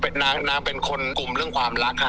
เป็นนางเป็นคนกลุ่มเรื่องความรักค่ะ